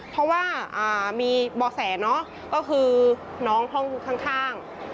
เพราะว่ามีบ่อแสเนอะก็คือน้องห้องข้าง